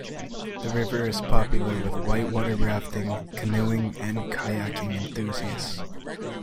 The river is popular with white-water rafting, canoeing and kayaking enthusiasts.